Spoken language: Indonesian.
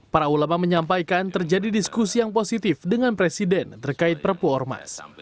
para ulama menyampaikan terjadi diskusi yang positif dengan presiden terkait perpu ormas